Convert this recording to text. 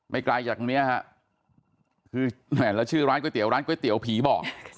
ไม่ไกลจากเนี้ยฮะคือเหมือนแล้วชื่อร้านก๋วยเตี๋ยวร้านก๋วยเตี๋ยวผีบอก